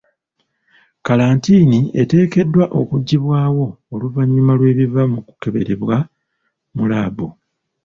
Kalantiini eteekeddwa okuggibwawo oluvannyuma lw'ebiva mu kukeberebwa mu laabu.